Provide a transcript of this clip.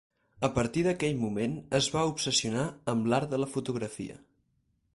A partir d'aquell moment, es va obsessionar amb l'art de la fotografia.